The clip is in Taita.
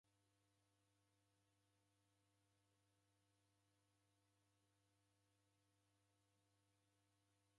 Wanighoghoria w'ei chija kifu si cha mumi chingi.